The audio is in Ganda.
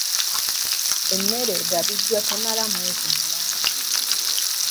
Emmere egabiddwa temala mwezi mulamba.